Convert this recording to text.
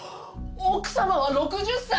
奥様は６０歳！？